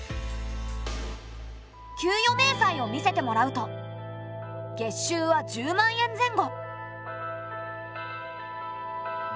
給与明細を見せてもらうと月収は１０万円前後。